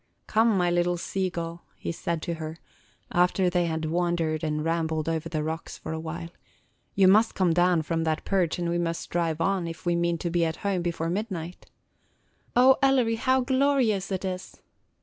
"Come, my little sea gull," he said to her, after they had wandered and rambled over the rocks for a while, "you must come down from that perch, and we must drive on, if we mean to be at home before midnight." "O Ellery, how glorious it is!"